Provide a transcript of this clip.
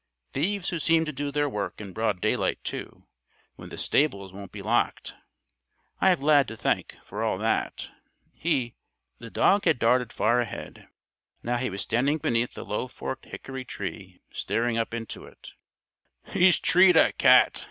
Thieves who seem to do their work in broad daylight, too, when the stables won't be locked. I have Lad to thank for all that. He " The dog had darted far ahead. Now he was standing beneath a low forked hickory tree staring up into it. "He's treed a cat!"